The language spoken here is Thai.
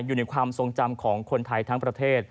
อยู่ในความทรงจำของคนไทยทั้งประเทศ